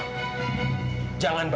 kamu harus mencari kamila dan fadil